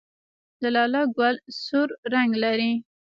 د لاله ګل سور رنګ لري